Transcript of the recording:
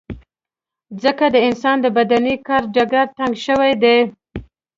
ځکه د انسان د بدني کار ډګر تنګ شوی دی.